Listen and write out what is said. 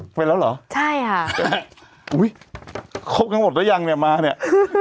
เป็นแล้วเหรอใช่ค่ะอุ้ยครบกันหมดหรือยังเนี่ยมาเนี่ย